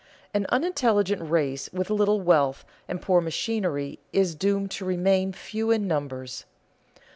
An unintelligent race with little wealth and poor machinery is doomed to remain few in numbers.